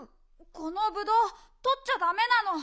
このぶどうとっちゃダメなの。